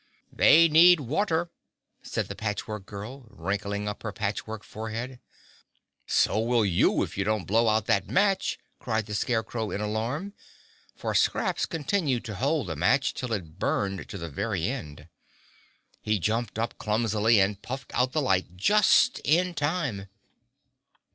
"They need water," said the Patch Work Girl, wrinkling up her patchwork forehead. "So will you if you don't blow out that match!" cried the Scarecrow in alarm, for Scraps continued to hold the match till it burned to the very end. He jumped up clumsily and puffed out the light just in time.